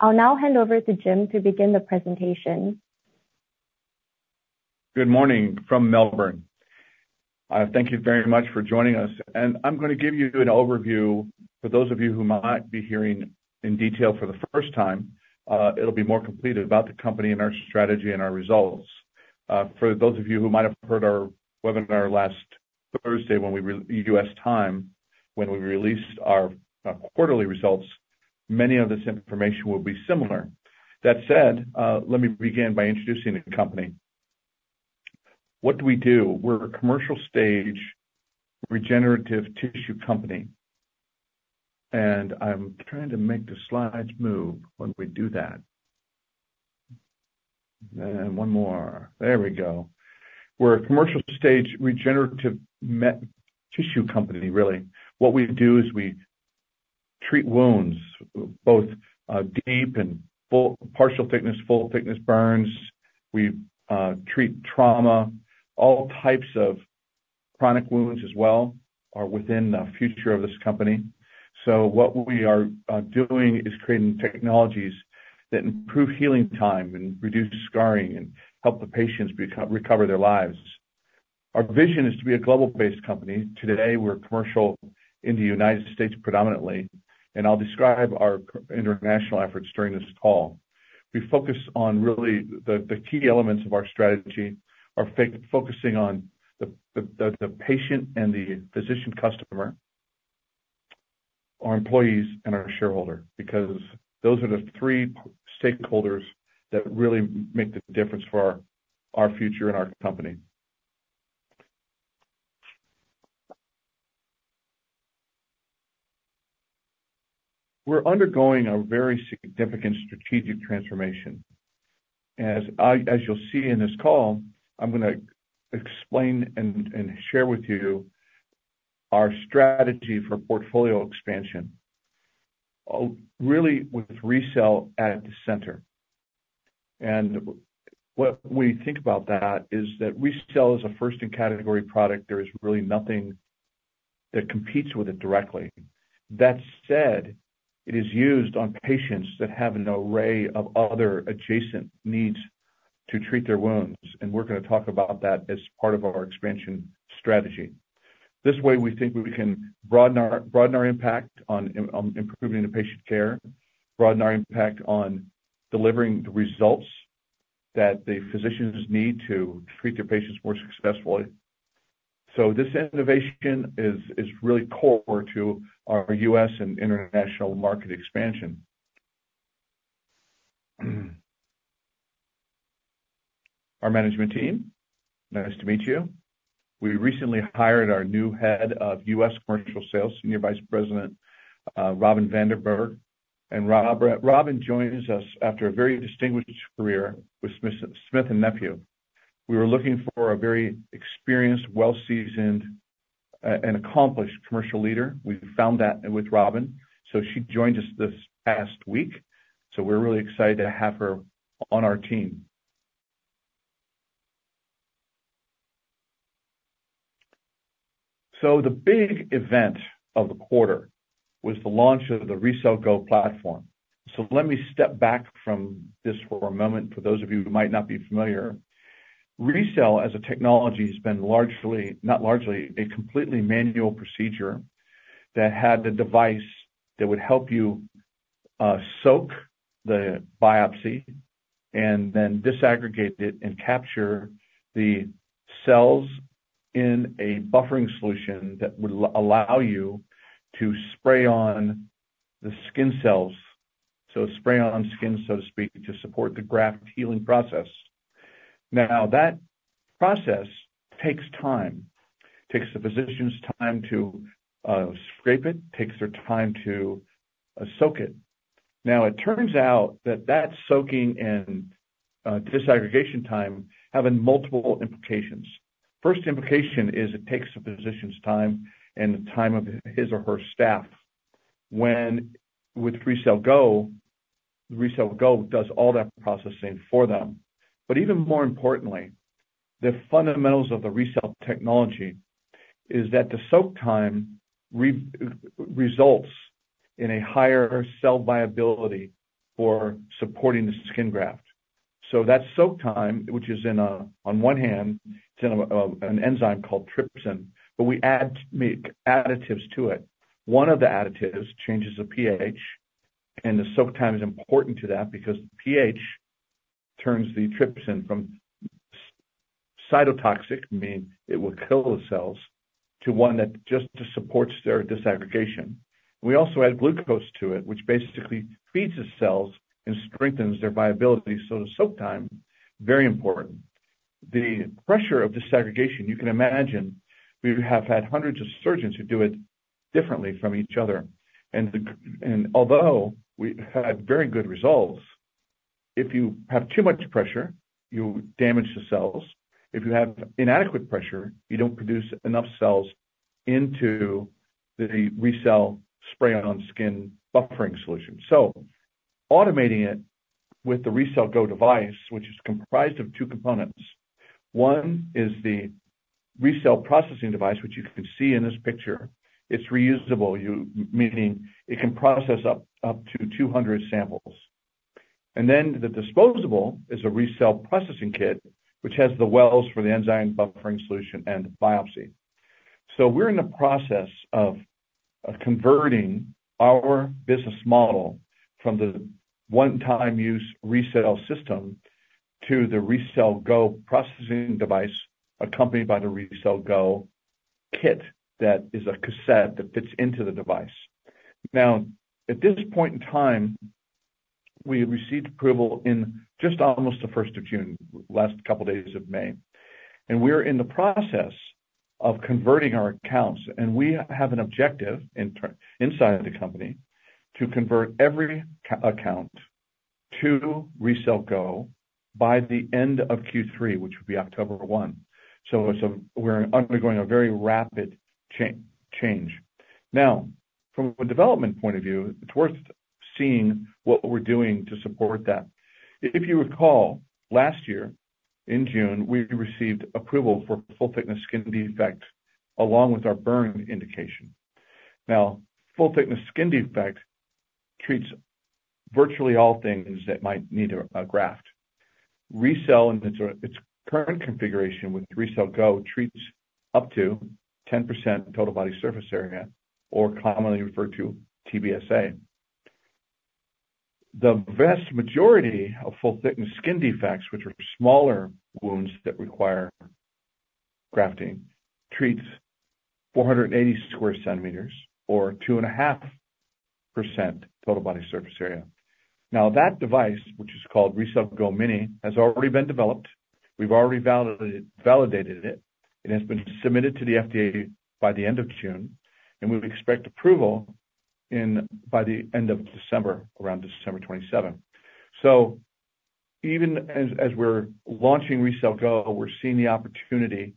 I'll now hand over to Jim to begin the presentation. Good morning from Melbourne. Thank you very much for joining us, and I'm gonna give you an overview. For those of you who might be hearing in detail for the first time, it'll be more complete about the company and our strategy and our results. For those of you who might have heard our webinar last Thursday, when we released our quarterly results, many of this information will be similar. That said, let me begin by introducing the company. What do we do? We're a commercial stage, regenerative tissue company, and I'm trying to make the slides move when we do that. And one more, there we go. We're a commercial stage, regenerative tissue company really. What we do is we treat wounds, both deep and partial thickness, full thickness burns. We treat trauma. All types of chronic wounds as well are within the future of this company. So what we are doing is creating technologies that improve healing time and reduce scarring, and help the patients recover their lives. Our vision is to be a global-based company. Today, we're commercial in the United States predominantly, and I'll describe our international efforts during this call. We focus on really the key elements of our strategy, are focusing on the patient and the physician customer, our employees and our shareholder, because those are the three stakeholders that really make the difference for our future and our company. We're undergoing a very significant strategic transformation. As you'll see in this call, I'm gonna explain and share with you our strategy for portfolio expansion, really with RECELL at the center. When you think about that, RECELL is a first in category product; there is really nothing that competes with it directly. That said, it is used on patients that have an array of other adjacent needs to treat their wounds, and we're gonna talk about that as part of our expansion strategy. This way, we think we can broaden our impact on improving the patient care, broaden our impact on delivering the results that the physicians need to treat their patients more successfully. So this innovation is really core to our US and international market expansion. Our management team, nice to meet you. We recently hired our new head of US commercial sales, Senior Vice President Robin Vandenberg. Robin joins us after a very distinguished career with Smith+Nephew. We were looking for a very experienced, well-seasoned, and accomplished commercial leader. We found that with Robin, so she joined us this past week, so we're really excited to have her on our team. The big event of the quarter was the launch of the RECELL GO platform. Let me step back from this for a moment. For those of you who might not be familiar, RECELL as a technology has been a completely manual procedure, that had the device that would help you soak the biopsy and then disaggregate it, and capture the cells in a buffering solution that would allow you to spray on the skin cells. So Spray-On Skin, so to speak, to support the graft healing process. Now, that process takes time. Takes the physician's time to scrape it, takes their time to soak it. Now, it turns out that that soaking and disaggregation time having multiple implications. First implication is it takes the physician's time and the time of his or her staff. When with RECELL GO, RECELL GO does all that processing for them. But even more importantly, the fundamentals of the RECELL technology is that the soak time results in a higher cell viability for supporting the skin graft. So that soak time, which is in, on one hand, it's in an enzyme called trypsin, but we add additives to it. One of the additives changes the pH, and the soak time is important to that because pH turns the trypsin from cytotoxic, meaning it will kill the cells, to one that just supports their disaggregation. We also add glucose to it, which basically feeds the cells and strengthens their viability. So the soak time, very important. The pressure of disaggregation, you can imagine, we have had hundreds of surgeons who do it differently from each other. And although we had very good results, if you have too much pressure, you damage the cells. If you have inadequate pressure, you don't produce enough cells into the RECELL spray on skin buffering solution. So automating it with the RECELL GO device, which is comprised of two components. One is the RECELL processing device, which you can see in this picture. It's reusable, meaning it can process up to 200 samples. And then the disposable is a RECELL processing kit, which has the wells for the enzyme buffering solution and biopsy. So we're in the process of converting our business model from the one-time use RECELL System to the RECELL GO processing device, accompanied by the RECELL GO kit, that is a cassette that fits into the device. Now, at this point in time, we received approval in just almost the first of June, last couple days of May, and we're in the process of converting our accounts, and we have an objective internal inside the company, to convert every account to RECELL GO by the end of Q3, which will be October 1. So we're undergoing a very rapid change. Now, from a development point of view, it's worth seeing what we're doing to support that. If you recall, last year, in June, we received approval for full-thickness skin defect, along with our burn indication. Now, full-thickness skin defect treats virtually all things that might need a graft. RECELL, in its current configuration with RECELL GO, treats up to 10% total body surface area, or commonly referred to TBSA. The vast majority of full-thickness skin defects, which are smaller wounds that require grafting, treats 480 square centimeters or 2.5% total body surface area. Now, that device, which is called RECELL GO Mini, has already been developed. We've already validated it. It has been submitted to the FDA by the end of June, and we expect approval in by the end of December, around December 27. So even as we're launching RECELL GO, we're seeing the opportunity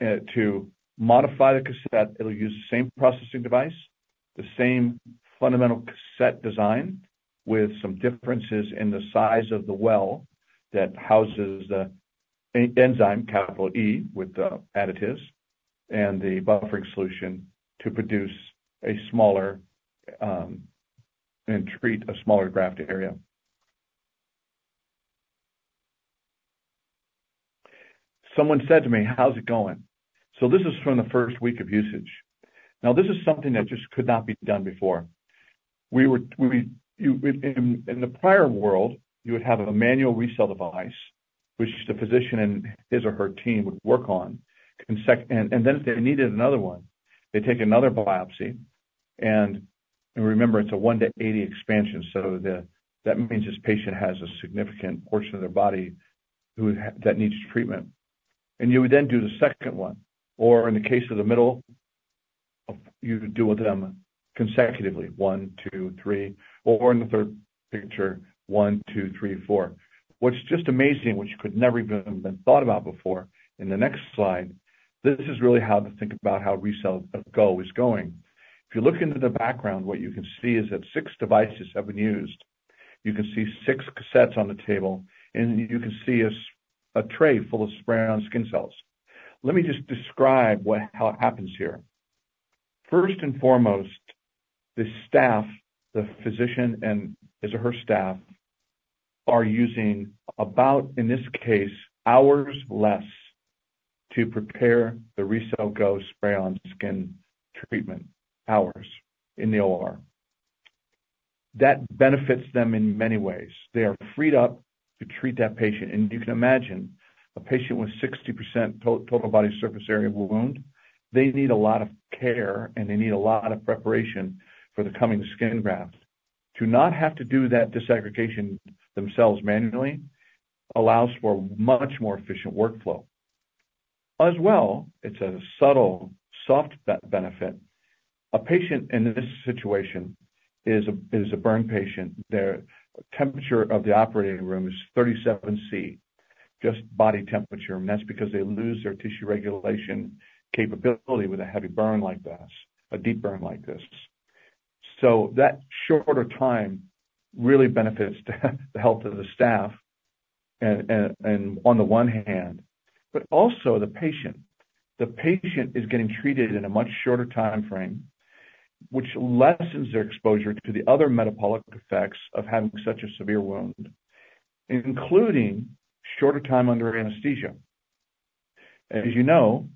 to modify the cassette. It'll use the same processing device, the same fundamental cassette design, with some differences in the size of the well that houses the enzyme with the additives and the buffering solution to produce a smaller and treat a smaller graft area. Someone said to me, "How's it going?" So this is from the first week of usage. Now, this is something that just could not be done before. In the prior world, you would have a manual RECELL device, which the physician and his or her team would work on. And then if they needed another one, they'd take another biopsy and remember, it's a 1 to 80 expansion, so that means this patient has a significant portion of their body that needs treatment. And you would then do the second one, or in the case of the middle, you do them consecutively, 1, 2, 3, or in the third picture, 1, 2, 3, 4. What's just amazing, which could never even been thought about before, in the next slide, this is really how to think about how RECELL GO is going. If you look into the background, what you can see is that 6 devices have been used. You can see 6 cassettes on the table, and you can see a tray full of spray-on skin cells. Let me just describe how it happens here. First and foremost, the staff, the physician, and his or her staff, are using about, in this case, hours less to prepare the RECELL GO Spray-On Skin treatment, hours in the OR. That benefits them in many ways. They are freed up to treat that patient, and you can imagine a patient with 60% total body surface area wound, they need a lot of care, and they need a lot of preparation for the coming skin graft. To not have to do that disaggregation themselves manually, allows for much more efficient workflow. As well, it's a subtle, soft benefit. A patient in this situation is a burn patient. The temperature of the operating room is 37 degrees Celsius, just body temperature, and that's because they lose their tissue regulation capability with a heavy burn like this, a deep burn like this. So that shorter time really benefits the health of the staff, and on the one hand, but also the patient. The patient is getting treated in a much shorter timeframe, which lessens their exposure to the other metabolic effects of having such a severe wound, including shorter time under anesthesia. As you know,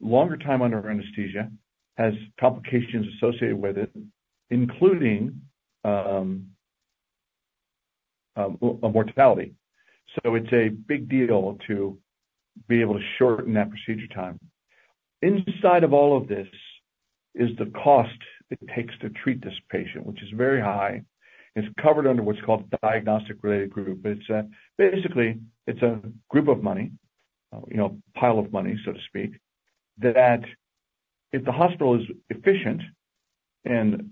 longer time under anesthesia has complications associated with it, including mortality. So it's a big deal to be able to shorten that procedure time. Inside of all of this is the cost it takes to treat this patient, which is very high, and it's covered under what's called the Diagnostic Related Group. It's basically a group of money, you know, pile of money, so to speak, that if the hospital is efficient and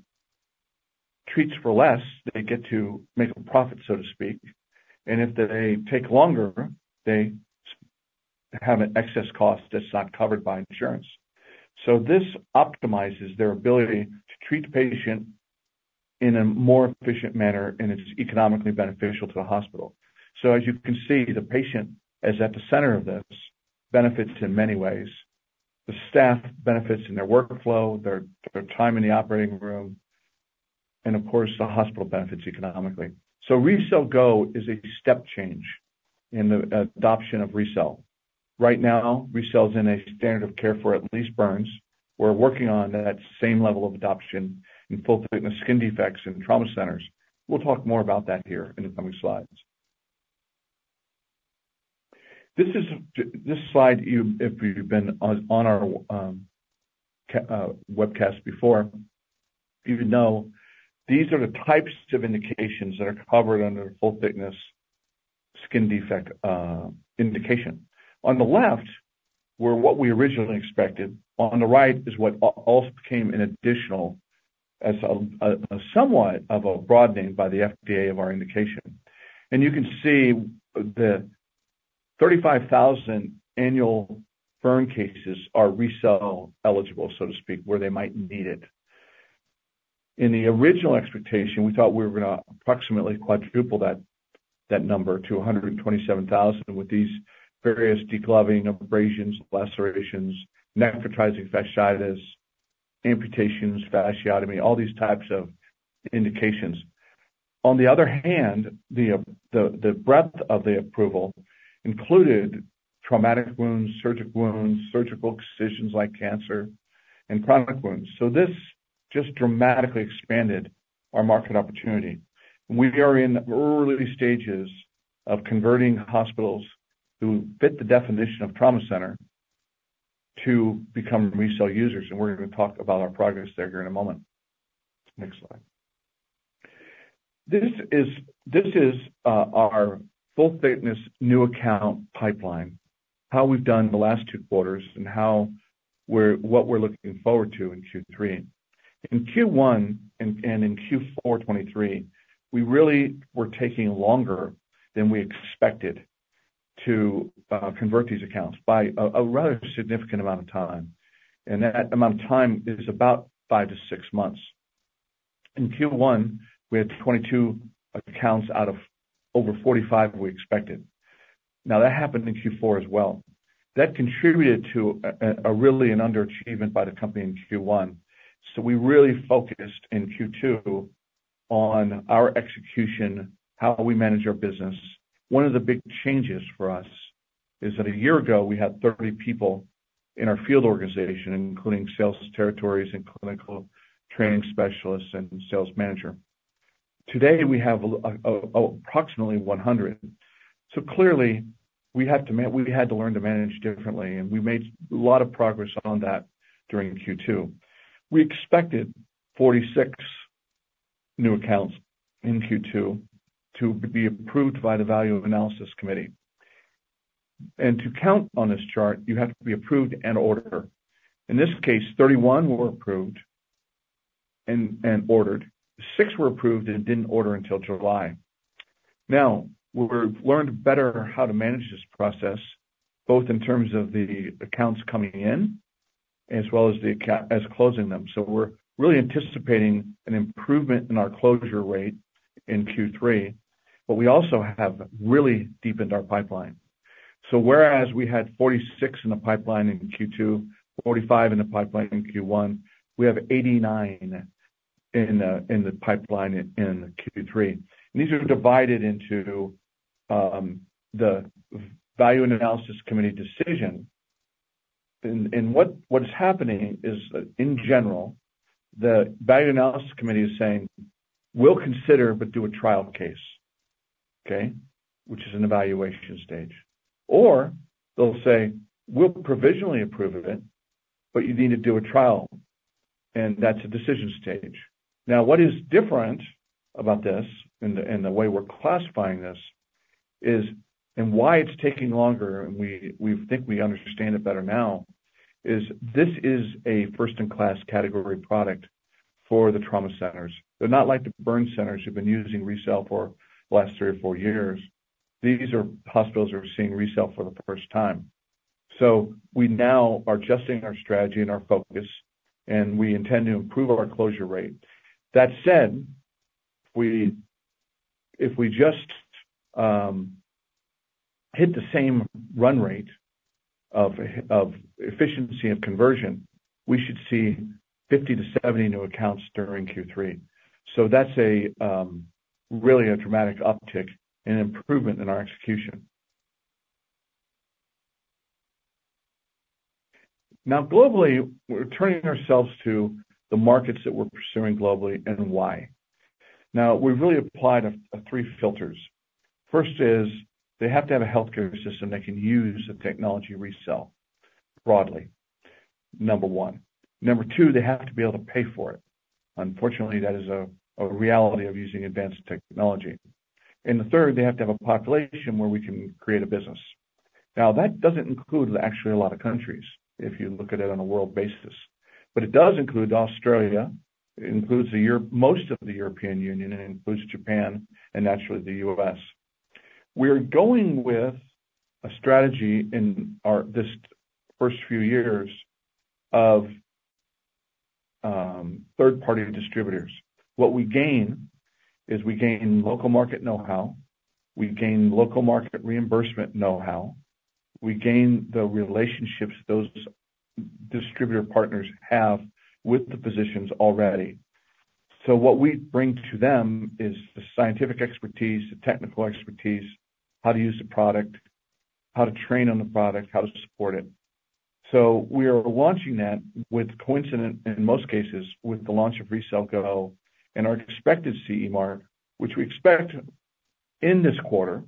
treats for less, they get to make a profit, so to speak, and if they take longer, they have an excess cost that's not covered by insurance. So this optimizes their ability to treat the patient in a more efficient manner, and it's economically beneficial to the hospital. So as you can see, the patient is at the center of this, benefits in many ways. The staff benefits in their workflow, their time in the operating room, and of course, the hospital benefits economically. So RECELL GO is a step change in the adoption of RECELL. Right now, RECELL is a standard of care for at least burns. We're working on that same level of adoption in full-thickness skin defects and trauma centers. We'll talk more about that here in the coming slides. This is this slide, you if you've been on our webcast before, you know these are the types of indications that are covered under the full-thickness skin defect indication. On the left, here's what we originally expected, on the right is what also became an additional, as a somewhat of a broadening by the FDA of our indication. And you can see the 35,000 annual burn cases are RECELL eligible, so to speak, where they might need it. In the original expectation, we thought we were gonna approximately quadruple that number to 127,000, with these various degloving, abrasions, lacerations, necrotizing fasciitis, amputations, fasciotomy, all these types of indications. On the other hand, the breadth of the approval included traumatic wounds, surgical wounds, surgical incisions like cancer, and chronic wounds. So this just dramatically expanded our market opportunity. We are in early stages of converting hospitals who fit the definition of trauma center to become RECELL users, and we're gonna talk about our progress there here in a moment. Next slide. This is our full thickness new account pipeline, how we've done the last two quarters, and how we're, what we're looking forward to in Q3. In Q1 and in Q4 2023, we really were taking longer than we expected to convert these accounts by a rather significant amount of time, and that amount of time is about 5 to 6 months. In 21 with 22 in counts out of over 45 we expected, now it happen in 24 as well. That contributed to a really an underachievement by the company in Q1. So we really focused in Q2 on our execution, how we manage our business. One of the big changes for us is that a year ago, we had 30 people in our field organization, including sales territories and clinical training specialists and sales manager. Today, we have approximately 100. So clearly, we have to we had to learn to manage differently, and we made a lot of progress on that during Q2. We expected 46 new accounts in Q2 to be approved by the Value Analysis Committee. And to count on this chart, you have to be approved and order. In this case, 31 were approved and ordered. Six were approved, and didn't order until July. Now, we've learned better how to manage this process, both in terms of the accounts coming in as well as closing them. So we're really anticipating an improvement in our closure rate in Q3, but we also have really deepened our pipeline. So whereas we had 46 in the pipeline in Q2, 45 in the pipeline in Q1, we have 89 in the pipeline in Q3. And these are divided into the Value Analysis Committee decision. And what is happening is, in general, the Value Analysis Committee is saying, "We'll consider, but do a trial case," okay? Which is an evaluation stage. Or they'll say, "We'll provisionally approve of it, but you need to do a trial," and that's a decision stage. Now, what is different about this and the way we're classifying this is, and why it's taking longer, and we think we understand it better now, is this is a first-in-class category product for the trauma centers. They're not like the burn centers who've been using RECELL for the last three or four years. These are hospitals that are seeing RECELL for the first time. So we now are adjusting our strategy and our focus, and we intend to improve our closure rate. That said, we—if we just hit the same run rate of efficiency and conversion, we should see 50 to 70 new accounts during Q3. So that's really a dramatic uptick and improvement in our execution. Now, globally, we're turning ourselves to the markets that we're pursuing globally, and why. Now, we've really applied three filters. First is, they have to have a healthcare system that can use the technology RECELL, broadly, number 1. Number 2, they have to be able to pay for it. Unfortunately, that is a reality of using advanced technology. And the third, they have to have a population where we can create a business. Now, that doesn't include actually a lot of countries, if you look at it on a world basis, but it does include Australia, it includes most of the European Union, and it includes Japan and naturally, the US. We're going with a strategy in our this first few years of third-party distributors. What we gain is we gain local market know-how, we gain local market reimbursement know-how, we gain the relationships those distributor partners have with the physicians already. So what we bring to them is the scientific expertise, the technical expertise, how to use the product, how to train on the product, how to support it. So we are launching that with coincident, in most cases, with the launch of RECELL GO and our expected CE mark, which we expect in this quarter.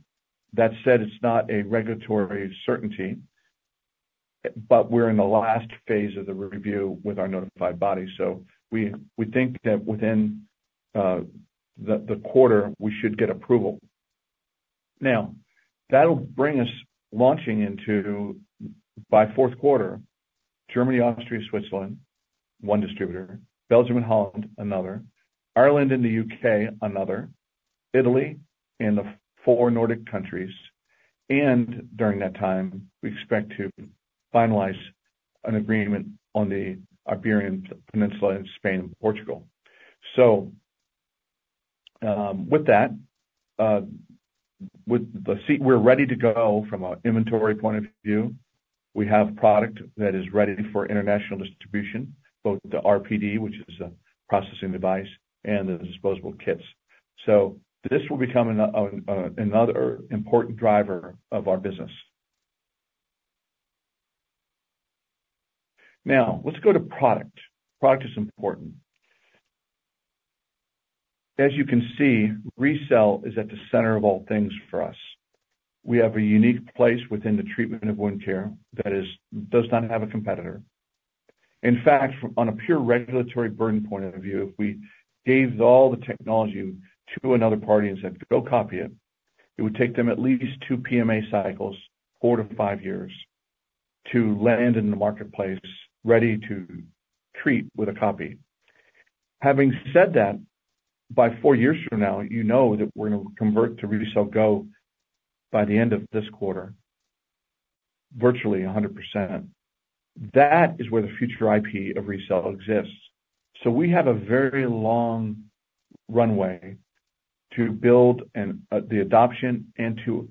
That said, it's not a regulatory certainty, but we're in the last phase of the review with our notified body. So we think that within the quarter, we should get approval. Now, that'll bring us launching into, by fourth quarter, Germany, Austria, Switzerland, one distributor, Belgium and Holland, another, Ireland and the UK, another, Italy and the four Nordic countries. And during that time, we expect to finalize an agreement on the Iberian Peninsula in Spain and Portugal. So, with that, we're ready to go from an inventory point of view. We have product that is ready for international distribution, both the RPD, which is a processing device, and the disposable kits. So this will become another important driver of our business. Now, let's go to product. Product is important. As you can see, RECELL is at the center of all things for us. We have a unique place within the treatment of wound care that does not have a competitor. In fact, on a pure regulatory burden point of view, if we gave all the technology to another party and said, "Go copy it," it would take them at least 2 PMA cycles, 4 to 5 years, to land in the marketplace, ready to treat with a copy. Having said that, by four years from now, you know that we're gonna convert to RECELL GO by the end of this quarter, virtually 100%. That is where the future IP of RECELL exists. So we have a very long runway to build the adoption and to,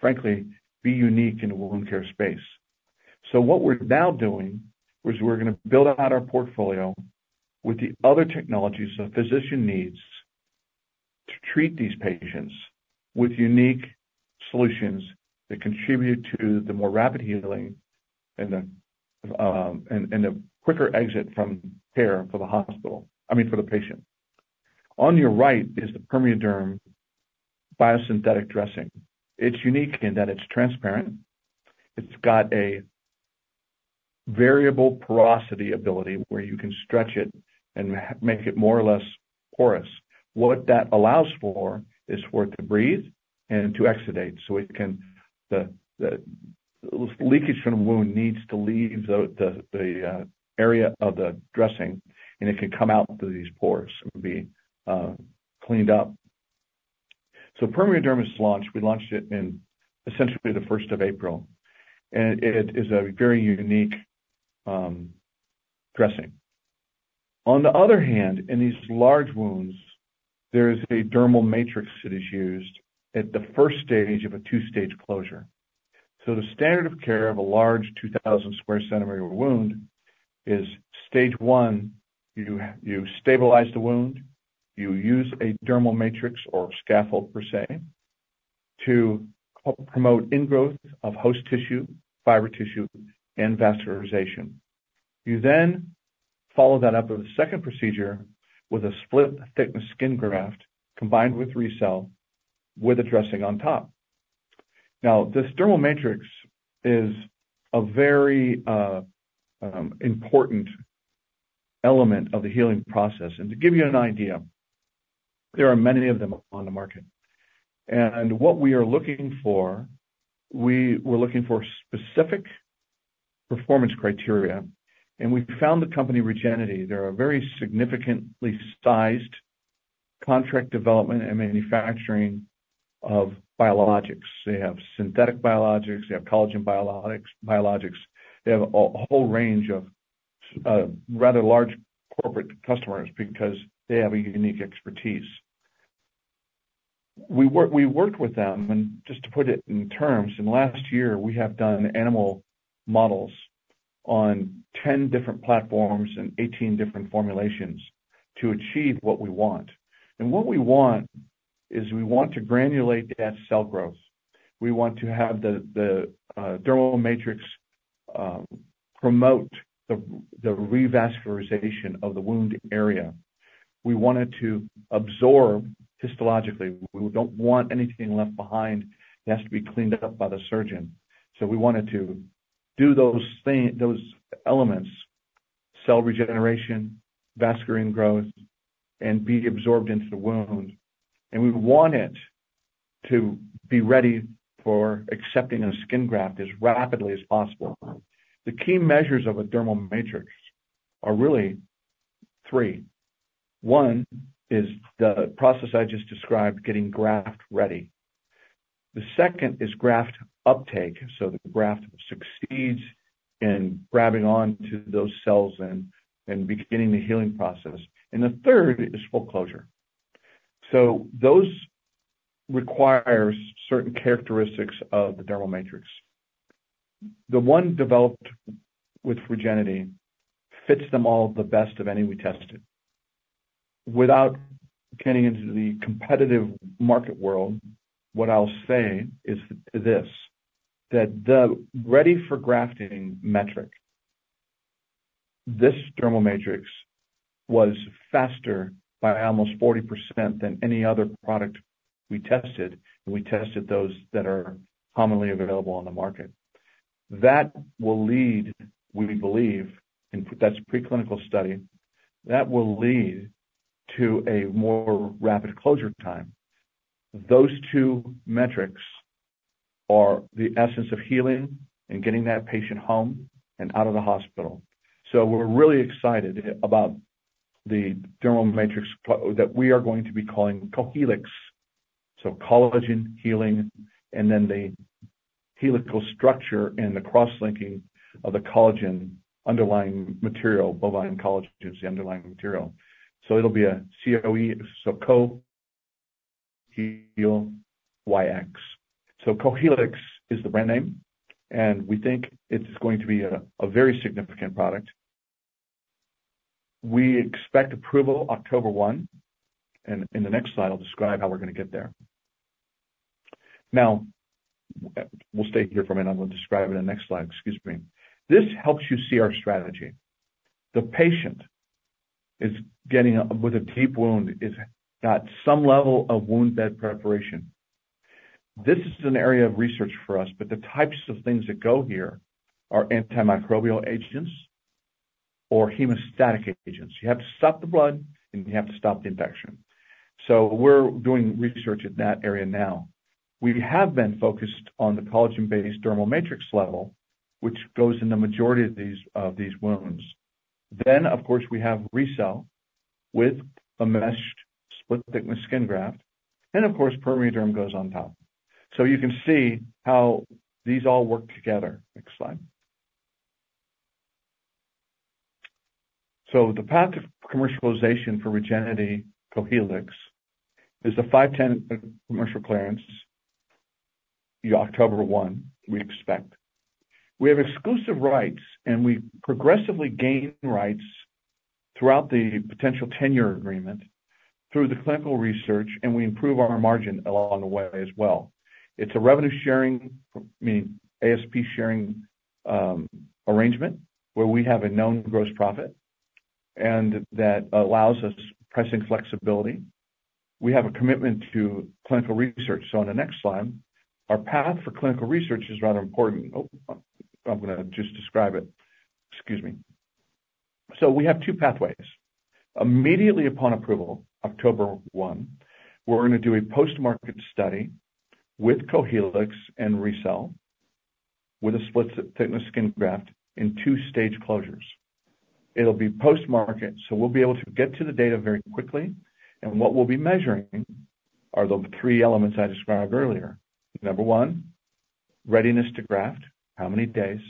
frankly, be unique in the wound care space. So what we're now doing is we're gonna build out our portfolio with the other technologies a physician needs to treat these patients with unique solutions that contribute to the more rapid healing and the quicker exit from care for the hospital, I mean, for the patient. On your right is the PermeaDerm Biosynthetic Dressing. It's unique in that it's transparent. It's got a variable porosity ability, where you can stretch it and make it more or less porous. What that allows for is for it to breathe and to exudate, so it can. The leakage from the wound needs to leave the area of the dressing, and it can come out through these pores and be cleaned up. So PermeaDerm's launch, we launched it in essentially the first of April, and it is a very unique dressing. On the other hand, in these large wounds, there is a dermal matrix that is used at the first stage of a 2 stage closure. So the standard of care of a large 2,000 square centimeter wound is, stage one, you stabilize the wound, you use a dermal matrix or scaffold, per se, to promote ingrowth of host tissue, fiber tissue, and vascularization. You then follow that up with a second procedure, with a split-thickness skin graft combined with RECELL, with a dressing on top. Now, this dermal matrix is a very important element of the healing process. And to give you an idea, there are many of them on the market. And what we are looking for, we were looking for specific performance criteria, and we found the company, Regenity. They're a very significantly sized contract development and manufacturing of biologics. They have synthetic biologics, they have collagen biologics, biologics. They have a whole range of rather large corporate customers because they have a unique expertise. We work- we worked with them, and just to put it in terms, in last year, we have done animal models on 10 different platforms and 18 different formulations to achieve what we want. What we want is we want to granulate that cell growth. We want to have the dermal matrix promote the revascularization of the wound area. We want it to absorb histologically. We don't want anything left behind that has to be cleaned up by the surgeon. So we want it to do those elements, cell regeneration, vascular ingrowth, and be absorbed into the wound. We want it to be ready for accepting a skin graft as rapidly as possible. The key measures of a dermal matrix are really three. One is the process I just described, getting graft ready. The second is graft uptake, so the graft succeeds in grabbing on to those cells and beginning the healing process. The third is full closure. So those requires certain characteristics of the dermal matrix. The one developed with Regenity fits them all the best of any we tested. Without getting into the competitive market world, what I'll say is this, that the ready for grafting metric, this dermal matrix was faster by almost 40% than any other product we tested, and we tested those that are commonly available on the market. That will lead, we believe, and that's preclinical study, that will lead to a more rapid closure time. Those two metrics are the essence of healing and getting that patient home and out of the hospital. So we're really excited about the dermal matrix that we are going to be calling COHEALYX. So collagen, healing, and then the helical structure and the cross-linking of the collagen underlying material, bovine collagen is the underlying material. So it'll be a C-O-E, so Co-heal-Y-X. So COHEALYX is the brand name, and we think it's going to be a, a very significant product. We expect approval October one, and in the next slide, I'll describe how we're gonna get there. Now, we'll stay here for a minute, I'm gonna describe it in the next slide. Excuse me. This helps you see our strategy. The patient is getting, with a deep wound, is got some level of wound bed preparation. This is an area of research for us, but the types of things that go here are antimicrobial agents or hemostatic agents. You have to stop the blood, and you have to stop the infection. So we're doing research in that area now. We have been focused on the collagen-based dermal matrix level, which goes in the majority of these, of these wounds. Then, of course, we have RECELL with a meshed split-thickness skin graft, and of course, PermeaDerm goes on top. So you can see how these all work together. Next slide. So the path to commercialization for Regenity COHEALYX is the 510(k) commercial clearance, the October one, we expect. We have exclusive rights, and we progressively gain rights throughout the potential tenure agreement through the clinical research, and we improve our margin along the way as well. It's a revenue sharing, I mean, ASP sharing, arrangement, where we have a known gross profit, and that allows us pricing flexibility. We have a commitment to clinical research. So on the next slide, our path for clinical research is rather important. Oh, I'm gonna just describe it. Excuse me. So we have two pathways. Immediately upon approval, October 1, we're gonna do a post-market study with COHEALYX and RECELL, with a split-thickness skin graft in 2 stage closures. It'll be post-market, so we'll be able to get to the data very quickly. What we'll be measuring are the three elements I described earlier. Number one, readiness to graft, how many days?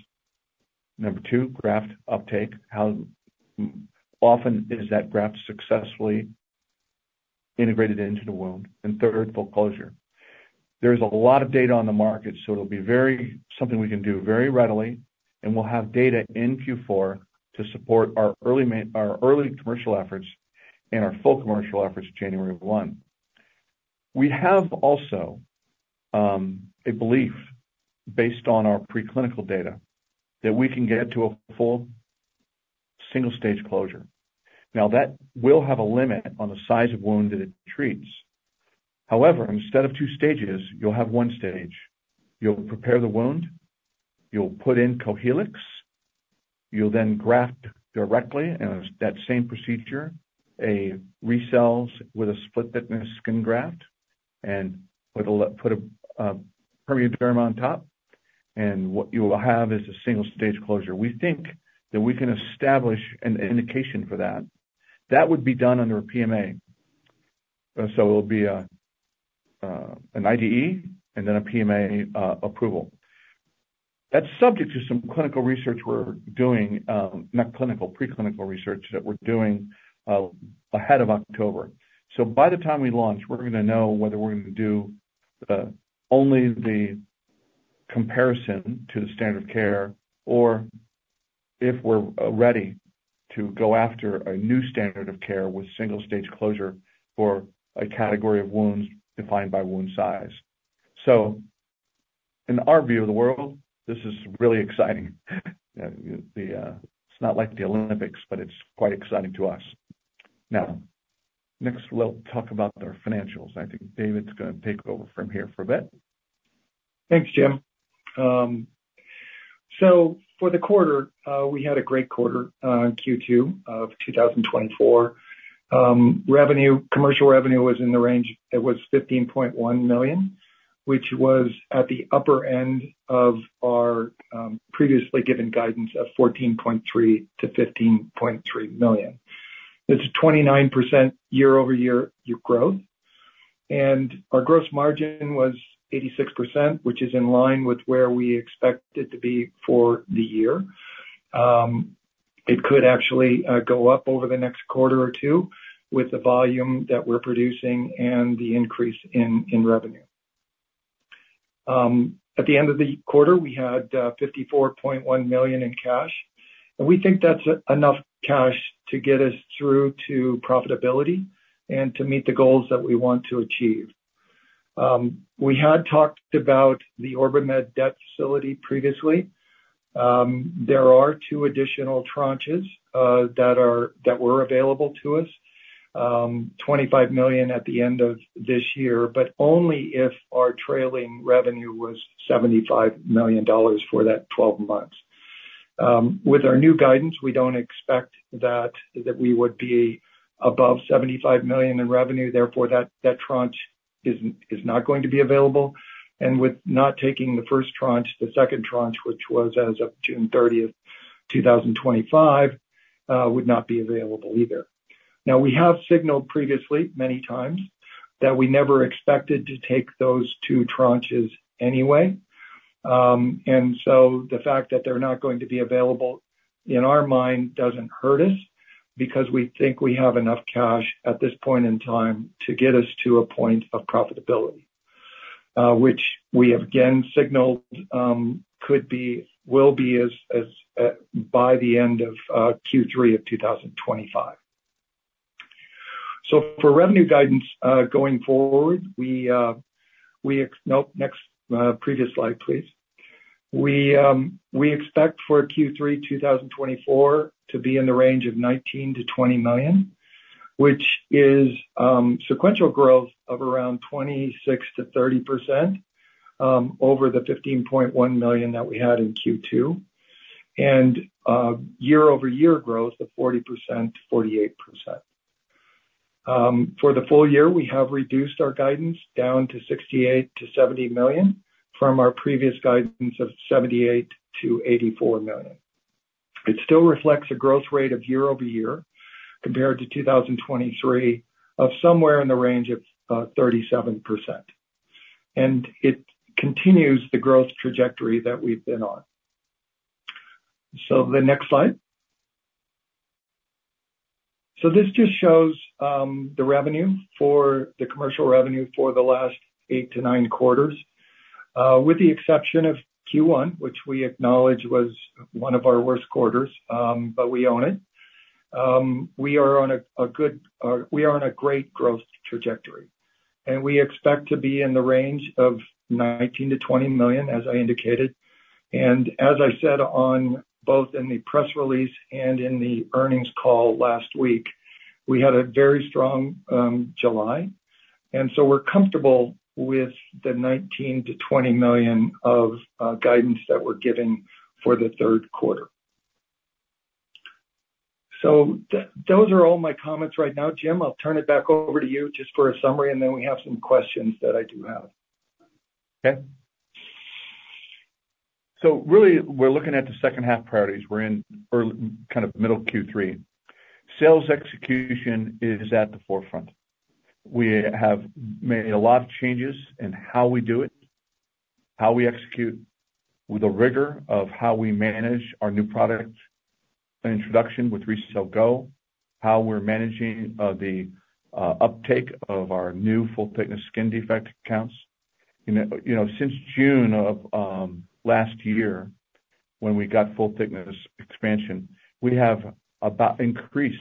Number two, graft uptake, how often is that graft successfully integrated into the wound? And third, full closure. There's a lot of data on the market, so it'll be very something we can do very readily, and we'll have data in Q4 to support our early commercial efforts and our full commercial efforts January of 2021. We have also a belief based on our preclinical data, that we can get to a full single-stage closure. Now, that will have a limit on the size of wound that it treats. However, instead of two stages, you'll have one stage. You'll prepare the wound, you'll put in COHEALYX, you'll then graft directly, and that same procedure, a RECELL with a split-thickness skin graft, and it'll put a PermeaDerm on top, and what you will have is a single-stage closure. We think that we can establish an indication for that. That would be done under a PMA. So it'll be an IDE and then a PMA approval. That's subject to some clinical research we're doing, not clinical, preclinical research that we're doing, ahead of October. So by the time we launch, we're gonna know whether we're gonna do only the comparison to the standard of care, or if we're ready to go after a new standard of care with single-stage closure for a category of wounds defined by wound size. So in our view of the world, this is really exciting. The, it's not like the Olympics, but it's quite exciting to us. Now, next, we'll talk about our financials. I think David's gonna take over from here for a bit. Thanks, Jim. So for the quarter, we had a great quarter, Q2 of 2024. Revenue, commercial revenue was in the range, it was $15.1 million, which was at the upper end of our previously given guidance of $14.3 million to $15.3 million. It's a 29% year-over-year year growth, and our gross margin was 86%, which is in line with where we expect it to be for the year. It could actually go up over the next quarter or two with the volume that we're producing and the increase in revenue. At the end of the quarter, we had $54.1 million in cash, and we think that's enough cash to get us through to profitability and to meet the goals that we want to achieve. We had talked about the OrbiMed debt facility previously. There are two additional tranches that were available to us. $25 million at the end of this year, but only if our trailing revenue was $75 million for that twelve months. With our new guidance, we don't expect that we would be above $75 million in revenue; therefore, that tranche is not going to be available, and with not taking the first tranche, the second tranche, which was as of June 30th, 2025, would not be available either. Now, we have signaled previously, many times, that we never expected to take those two tranches anyway. And so the fact that they're not going to be available, in our mind, doesn't hurt us, because we think we have enough cash at this point in time to get us to a point of profitability, which we have again signaled could be, will be as by the end of Q3 2025. So for revenue guidance going forward, we... No, next previous slide, please. We expect for Q3 2024 to be in the range of $19 million to $20 million, which is sequential growth of around 26% to 30% over the $15.1 million that we had in Q2, and year-over-year growth of 40% to 48%. For the full year, we have reduced our guidance down to $68 million to $70 million from our previous guidance of $78 million to $84 million. It still reflects a growth rate of year-over-year, compared to 2023, of somewhere in the range of 37%, and it continues the growth trajectory that we've been on. The next slide. This just shows the revenue for the commercial revenue for the last 8 to 9 quarters. With the exception of Q1, which we acknowledge was one of our worst quarters, but we own it, we are on a great growth trajectory, and we expect to be in the range of $19 million to $20 million, as I indicated. And as I said on both in the press release and in the earnings call last week, we had a very strong July, and so we're comfortable with the $19 million to $20 million of guidance that we're giving for the third quarter. Those are all my comments right now. Jim, I'll turn it back over to you just for a summary, and then we have some questions that I do have. Okay. So really, we're looking at the second half priorities. We're in early kind of middle Q3. Sales execution is at the forefront. We have made a lot of changes in how we do it, how we execute, with the rigor of how we manage our new product introduction with RECELL GO, how we're managing the uptake of our new full-thickness skin defect accounts. You know, you know, since June of last year, when we got full thickness expansion, we have about increased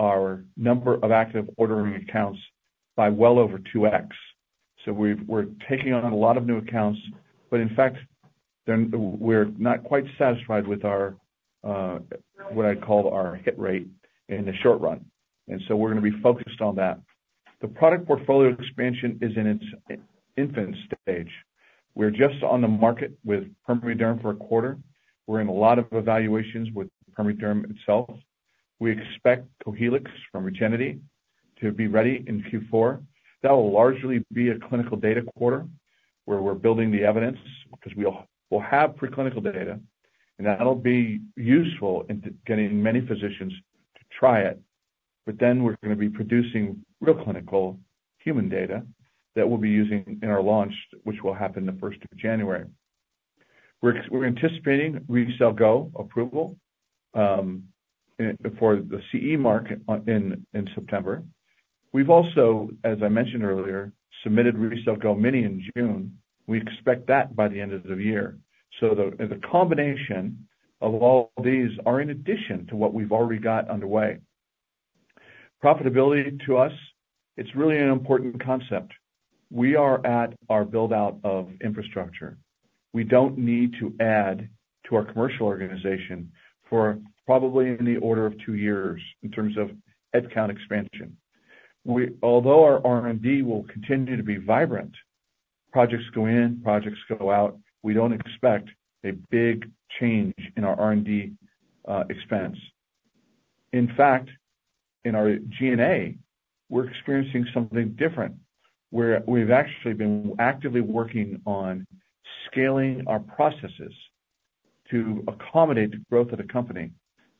our number of active ordering accounts by well over 2x. So we're taking on a lot of new accounts, but in fact, then we're not quite satisfied with our what I'd call our hit rate in the short run, and so we're gonna be focused on that. The product portfolio expansion is in its infant stage. We're just on the market with PermeaDerm for a quarter. We're in a lot of evaluations with PermeaDerm itself. We expect COHEALYX from Regenity to be ready in Q4. That will largely be a clinical data quarter, where we're building the evidence, because we'll have preclinical data, and that'll be useful in getting many physicians to try it. But then we're gonna be producing real clinical human data that we'll be using in our launch, which will happen the first of January. We're anticipating RECELL GO approval in for the CE market in September. We've also, as I mentioned earlier, submitted RECELL GO Mini in June. We expect that by the end of the year. So the combination of all these are in addition to what we've already got underway. Profitability to us, it's really an important concept. We are at our build-out of infrastructure. We don't need to add to our commercial organization for probably in the order of two years in terms of head count expansion. We, although our R&D will continue to be vibrant, projects go in, projects go out. We don't expect a big change in our R&D expense. In fact, in our G&A, we're experiencing something different, where we've actually been actively working on scaling our processes to accommodate the growth of the company.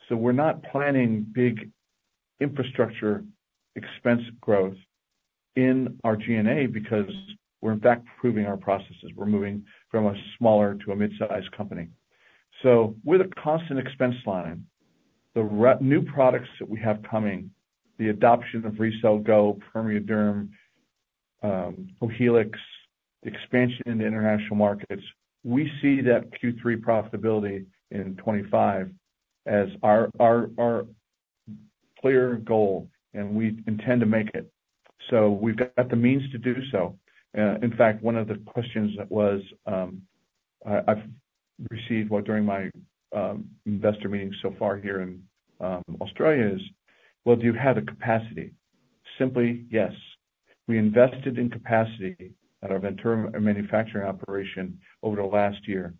So we're not planning big infrastructure expense growth in our G&A because we're in fact, improving our processes. We're moving from a smaller to a mid-sized company. So with a constant expense line, the new products that we have coming, the adoption of RECELL GO, PermeaDerm, COHEALYX, expansion into international markets, we see that Q3 profitability in 2025 as our, our, our clear goal, and we intend to make it. So we've got the means to do so. In fact, one of the questions that I've received while during my investor meeting so far here in Australia is, "Well, do you have the capacity?" Simply, yes. We invested in capacity at our venture manufacturing operation over the last year.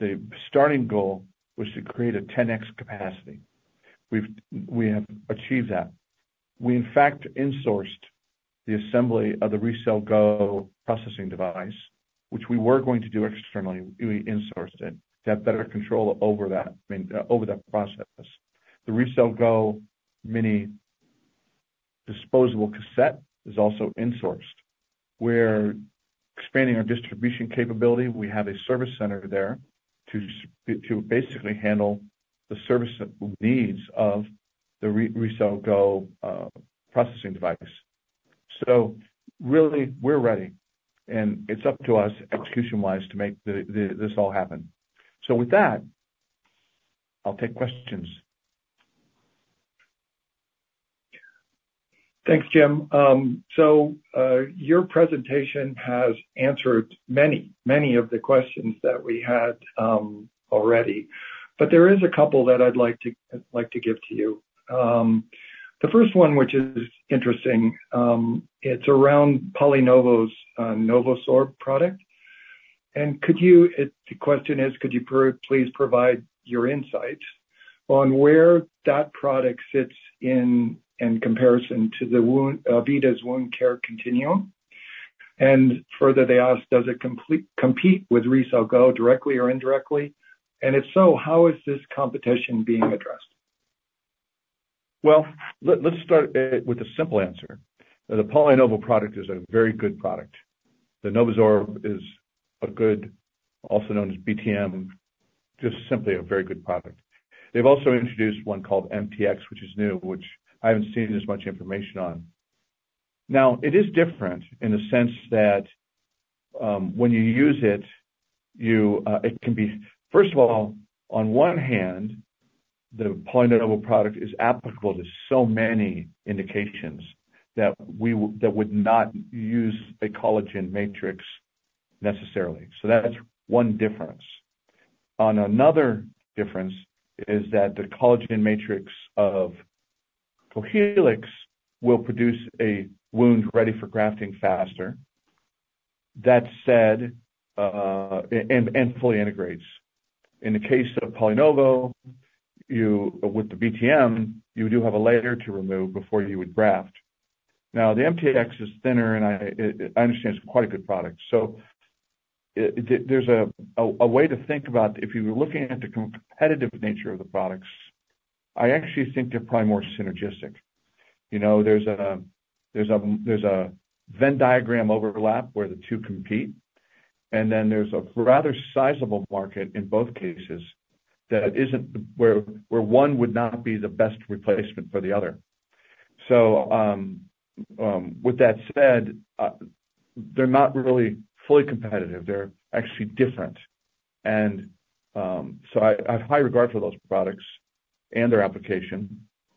The starting goal was to create a 10x capacity. We have achieved that. We, in fact, insourced the assembly of the RECELL GO processing device, which we were going to do externally. We insourced it to have better control over that, I mean, over that process. The RECELL GO Mini disposable cassette is also insourced. We're expanding our distribution capability. We have a service center there to basically handle the service needs of the RECELL GO processing device. So really, we're ready, and it's up to us, execution-wise, to make this all happen. So with that, I'll take questions. Thanks, Jim. So, your presentation has answered many, many of the questions that we had already, but there is a couple that I'd like to give to you. The first one, which is interesting, it's around PolyNovo's NovoSorb product. And could you please provide your insights on where that product sits in comparison to AVITA's wound care continuum? And further, they ask, does it compete with RECELL GO directly or indirectly? And if so, how is this competition being addressed? Well, let's start with the simple answer. The PolyNovo product is a very good product. The NovoSorb is a good, also known as BTM, just simply a very good product. They've also introduced one called MTX, which is new, which I haven't seen as much information on. Now, it is different in the sense that when you use it, it can be... First of all, on one hand, the PolyNovo product is applicable to so many indications that we that would not use a collagen matrix necessarily. So that's one difference. On another difference is that the collagen matrix of Cohealyx will produce a wound ready for grafting faster. That said, fully integrates. In the case of PolyNovo, you with the BTM, you do have a layer to remove before you would graft. Now, the MTX is thinner, and I understand it's quite a good product. So, there is a way to think about if you were looking at the competitive nature of the products, I actually think they're probably more synergistic. You know, there is a Venn diagram overlap where the two compete, and then there is a rather sizable market in both cases that isn't where one would not be the best replacement for the other. So, with that said, they're not really fully competitive. They're actually different. And, so I have high regard for those products and their application.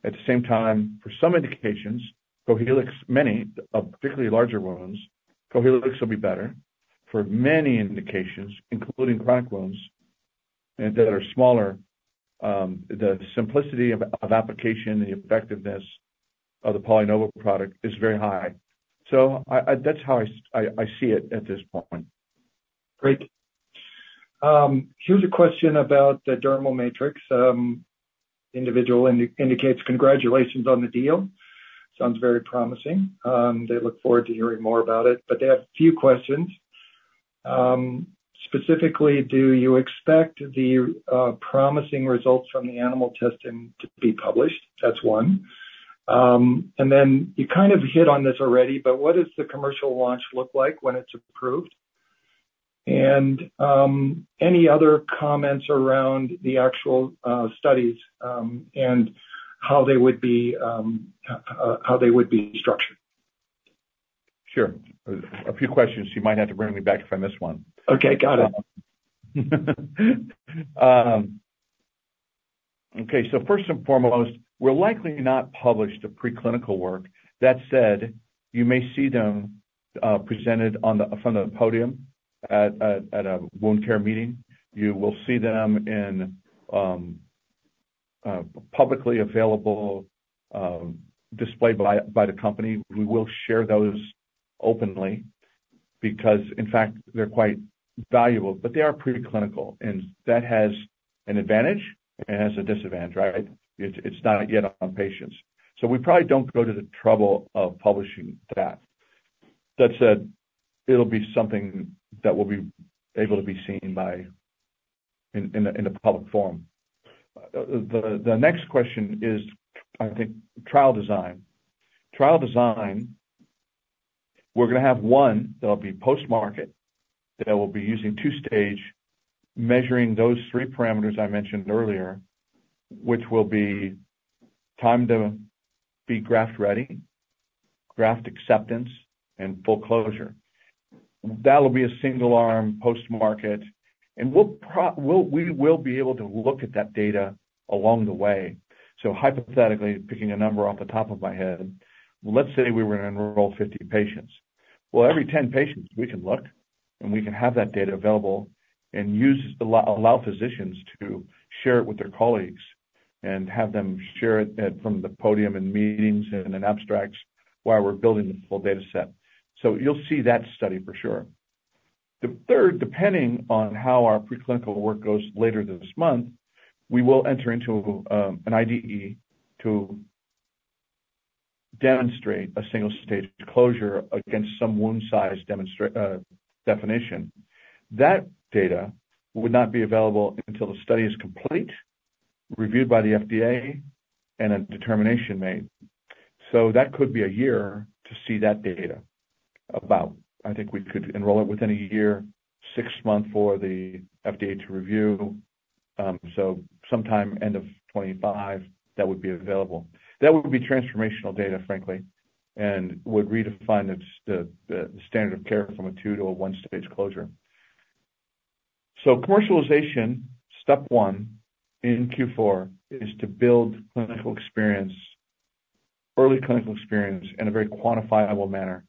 At the same time, for some indications, COHEALYX, many, particularly larger wounds, COHEALYX will be better. For many indications, including chronic wounds and that are smaller, the simplicity of application and the effectiveness of the PolyNovo product is very high. So that's how I see it at this point. Great. Here's a question about the dermal matrix. Individual indicates congratulations on the deal. Sounds very promising. They look forward to hearing more about it, but they have a few questions. Specifically, do you expect the promising results from the animal testing to be published? That's one. And then you kind of hit on this already, but what does the commercial launch look like when it's approved? And any other comments around the actual studies and how they would be structured? Sure. A few questions, you might have to bring me back if I miss one. Okay, got it. Okay, so first and foremost, we'll likely not publish the preclinical work. That said, you may see them presented from the podium at a wound care meeting. You will see them in publicly available, displayed by the company. We will share those openly because, in fact, they're quite valuable, but they are preclinical, and that has an advantage, and it has a disadvantage, right? It's not yet on patients, so we probably don't go to the trouble of publishing that. That said, it'll be something that will be able to be seen in the public forum. The next question is, I think, trial design. Trial design, we're gonna have one that'll be post-market, that will be using two-stage, measuring those three parameters I mentioned earlier, which will be time to be graft-ready, graft acceptance, and full closure. That'll be a single-arm post-market, and we'll be able to look at that data along the way. So hypothetically, picking a number off the top of my head, let's say we were gonna enroll 50 patients. Well, every 10 patients, we can look, and we can have that data available and allow physicians to share it with their colleagues and have them share it at, from the podium and meetings and in abstracts while we're building the full dataset. So you'll see that study for sure. The third, depending on how our preclinical work goes later this month, we will enter into an IDE to demonstrate a single-stage closure against some wound size definition. That data would not be available until the study is complete, reviewed by the FDA, and a determination made. So that could be a year to see that data, about. I think we could enroll it within a year, six months for the FDA to review, so sometime end of 2025, that would be available. That would be transformational data, frankly, and would redefine the standard of care from a two to a one-stage closure. So commercialization, step one in Q4, is to build clinical experience, early clinical experience in a very quantifiable manner,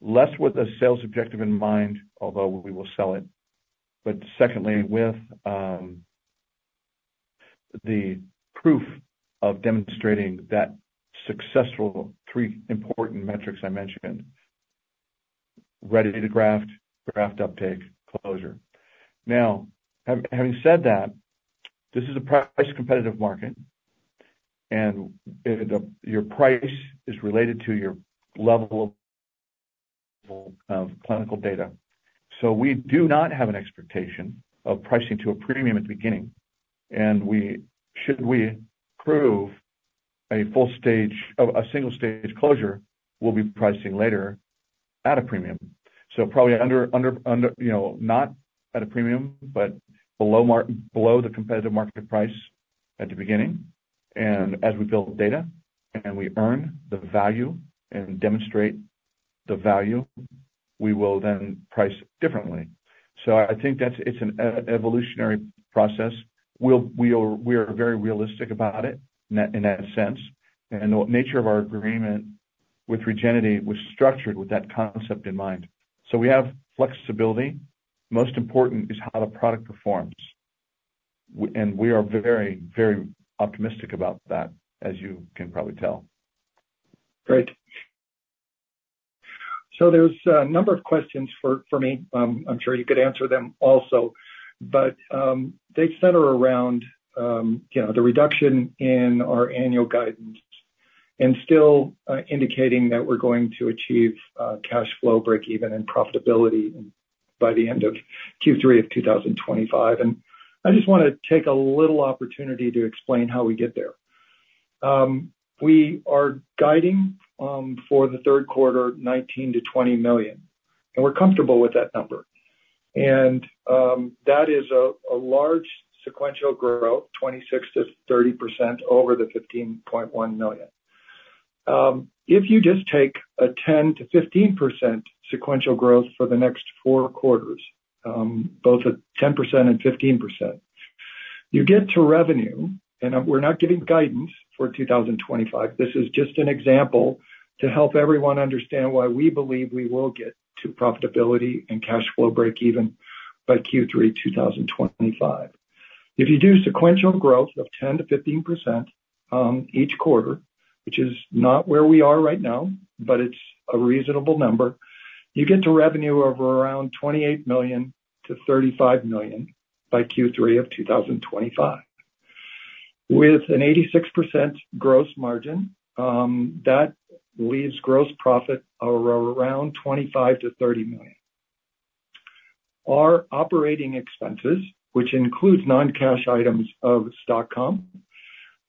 less with a sales objective in mind, although we will sell it. But secondly, with the proof of demonstrating that successful three important metrics I mentioned, ready-to-graft, graft uptake, closure. Now, having said that, this is a price-competitive market, and your price is related to your level of clinical data. So we do not have an expectation of pricing to a premium at the beginning, and we should we prove a full stage... Oh, a single-stage closure, we'll be pricing later at a premium. So probably under, you know, not at a premium, but below the competitive market price at the beginning. And as we build data and we earn the value and demonstrate the value, we will then price differently. So I think it's an evolutionary process. We are very realistic about it in that sense, and the nature of our agreement with Regenity was structured with that concept in mind. So we have flexibility. Most important is how the product performs, and we are very, very optimistic about that, as you can probably tell. Great. So there's a number of questions for me. I'm sure you could answer them also. But they center around you know, the reduction in our annual guidance and still indicating that we're going to achieve cash flow breakeven and profitability by the end of Q3 of 2025. And I just wanna take a little opportunity to explain how we get there. We are guiding for the third quarter, $19 million to $20 million, and we're comfortable with that number. And that is a large sequential growth, 26% to 30% over the $15.1 million. If you just take a 10% to 15% sequential growth for the next four quarters, both at 10% and 15%, you get to revenue, and we're not giving guidance for 2025, this is just an example to help everyone understand why we believe we will get to profitability and cash flow breakeven by Q3 2025. If you do sequential growth of 10% to 15%, each quarter, which is not where we are right now, but it's a reasonable number, you get to revenue of around $28 million to $35 million by Q3 of 2025. With an 86% gross margin, that leaves gross profit around $25 million to $30 million. Our operating expenses, which includes non-cash items of stock comp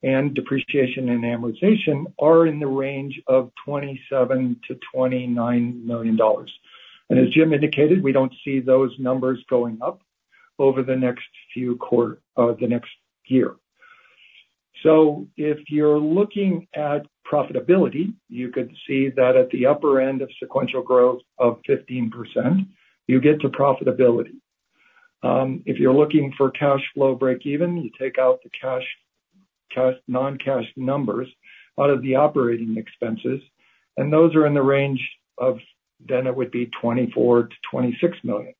and depreciation and amortization, are in the range of $27 million to $29 million. As Jim indicated, we don't see those numbers going up over the next few quarters the next year. So if you're looking at profitability, you could see that at the upper end of sequential growth of 15%, you get to profitability. If you're looking for cash flow breakeven, you take out the cash non-cash numbers out of the operating expenses, and those are in the range of, then it would be $24 million to $26 million.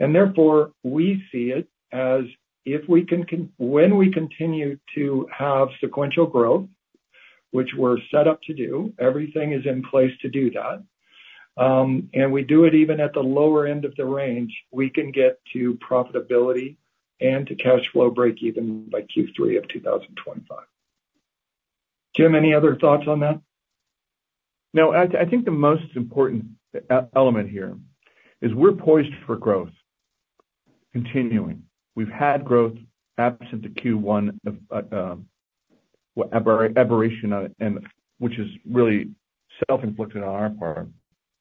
Therefore, we see it as if we can when we continue to have sequential growth, which we're set up to do, everything is in place to do that, and we do it even at the lower end of the range, we can get to profitability and to cash flow breakeven by Q3 of 2025. Jim, any other thoughts on that? No, I think the most important element here is we're poised for growth, continuing. We've had growth absent the Q1 of, well, aberration on it, and which is really self-inflicted on our part.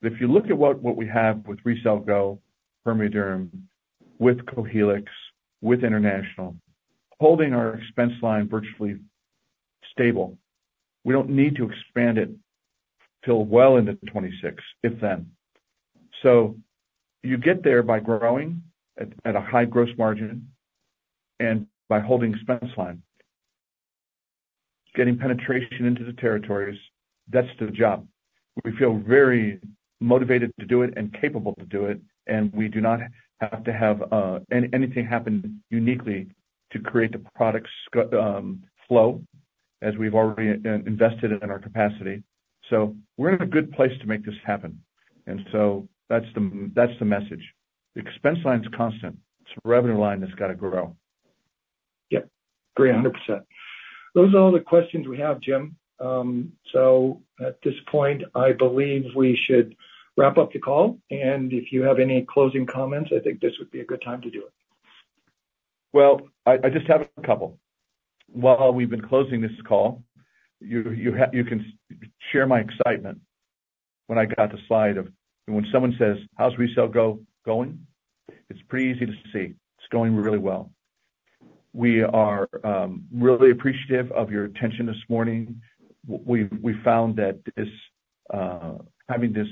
If you look at what we have with RECELL GO, PermeaDerm, with COHEALYX, with international, holding our expense line virtually stable, we don't need to expand it till well into 2026, if then. So you get there by growing at a high gross margin and by holding expense line, getting penetration into the territories, that's the job. We feel very motivated to do it and capable to do it, and we do not have to have anything happen uniquely to create the product flow, as we've already invested in our capacity. So we're in a good place to make this happen, and so that's the, that's the message. The expense line's constant. It's the revenue line that's got to grow. Yep, agree 100%. Those are all the questions we have, Jim. So at this point, I believe we should wrap up the call, and if you have any closing comments, I think this would be a good time to do it. Well, I just have a couple. While we've been closing this call, you can share my excitement when I got the slide of... When someone says, "How's RECELL GO going?" It's pretty easy to see. It's going really well. We are really appreciative of your attention this morning. We've found that this having this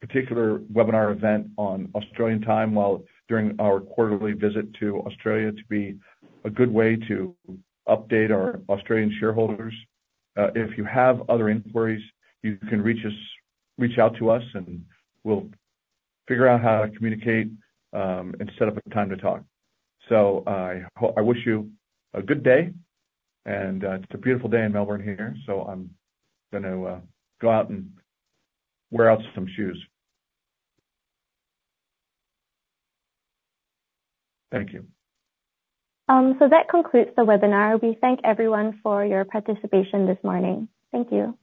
particular webinar event on Australian time, while during our quarterly visit to Australia, to be a good way to update our Australian shareholders. If you have other inquiries, you can reach out to us, and we'll figure out how to communicate and set up a time to talk. I wish you a good day, and it's a beautiful day in Melbourne here, so I'm gonna go out and wear out some shoes. Thank you. So that concludes the webinar. We thank everyone for your participation this morning. Thank you.